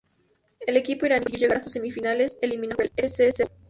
El equipo iraní consiguió llegar hasta semifinales, eliminado por el F. C. Seoul.